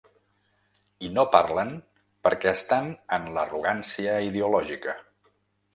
I no parlen perquè estan en l’arrogància ideològica.